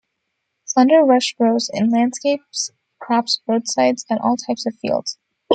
Slender rush grows in landscapes, crops, roadsides, and all types of fields.